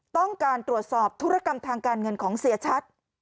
ต้องการตรวจสอบธุรกรรมทางการเงินของเสียชัด